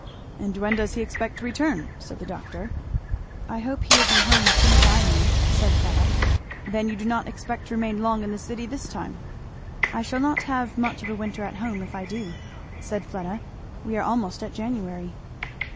"And when does he expect to return?" said the doctor. "I hope he will be home as soon as I am," said Fleda. "Then you do not expect to remain long in the city this time?" "I shall not have much of a winter at home if I do," said Fleda. "We are almost at January."